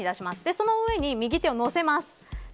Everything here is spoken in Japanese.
その上に右手をのせます。